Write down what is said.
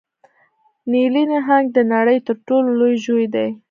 نیلي نهنګ د نړۍ تر ټولو لوی ژوی دی